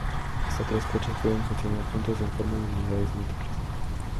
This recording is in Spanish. Hasta tres coches pueden funcionar juntos en forma de unidades múltiples.